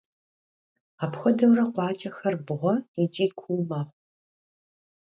Apxuedeure khuaç'er bğue yiç'i kuu mexhu.